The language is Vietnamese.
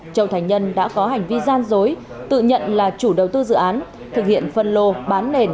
châu thành nhân đã có hành vi gian dối tự nhận là chủ đầu tư dự án thực hiện phân lô bán nền